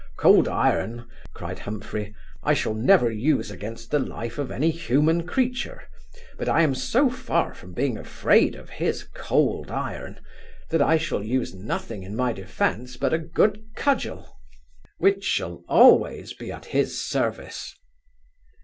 'Cold iron (cried Humphry) I shall never use against the life of any human creature; but I am so far from being afraid of his cold iron, that I shall use nothing in my defence but a good cudgel, which shall always be at his service.